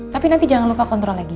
tapi nanti jangan lupa kontrol lagi